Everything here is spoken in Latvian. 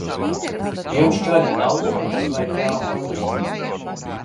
Jums čaļi nav lupatas vai kā tamlīdzīga?